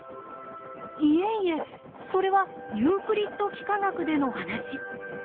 いえいえそれはユークリッド幾何学での話。